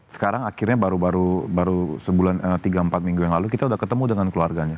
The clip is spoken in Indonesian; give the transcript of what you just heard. sekarang akhirnya baru sebulan tiga empat minggu yang lalu kita udah ketemu dengan keluarganya